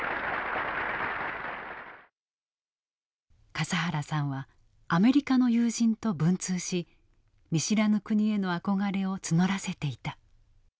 笠原さんはアメリカの友人と文通し見知らぬ国への憧れを募らせていた。